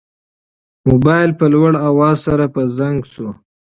موبایل په لوړ اواز سره په زنګ شو.